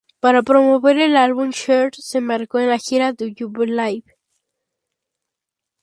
Para promover el álbum, Cher se embarcó en la gira Do You Believe?